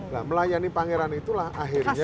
nah melayani pangeran itulah akhirnya